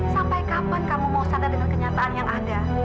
sampai kapan kamu mau sadar dengan kenyataan yang ada